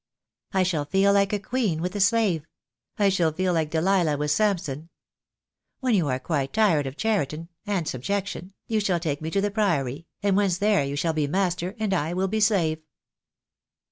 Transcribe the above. I shall feel like a queen with a slave; I shall feel like Delilah with Samson. When you are quite tired of Cheriton — and subjection, you shall take me to the Priory; and once there you shall be master and I will be slave."